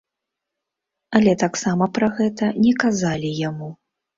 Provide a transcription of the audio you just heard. Але таксама пра гэта не казалі яму.